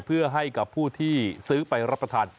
เพื่อให้กับผู้ที่ซื้อไปรับประทาน